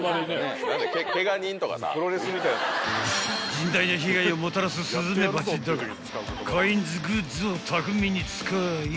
［甚大な被害をもたらすスズメバチだがカインズグッズを巧みに使い